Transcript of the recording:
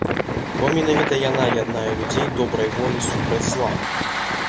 Бо менавіта яна яднае людзей добрай волі супраць зла.